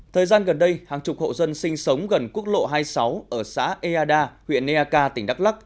thời gian gần đây hàng chục hộ dân sinh sống gần quốc lộ hai mươi sáu ở xã eada huyện eak tỉnh đắk lắc